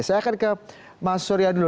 saya akan ke mas surya dulu